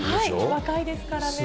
若いですからね。